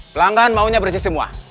pelanggan maunya bersih semua